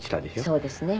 そうですね。